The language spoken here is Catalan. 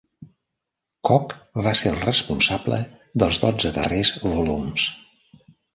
Koch va ser el responsable dels dotze darrers volums.